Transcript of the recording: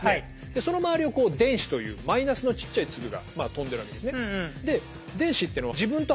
その周りを電子というマイナスのちっちゃい粒が飛んでるわけですね。